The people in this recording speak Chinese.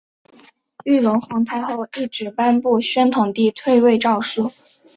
隆裕皇太后懿旨颁布宣统帝退位诏书。